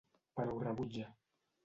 Però ho rebutja.